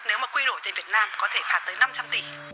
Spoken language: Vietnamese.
nếu mà quy đổi tên việt nam có thể phạt tới năm trăm linh tỷ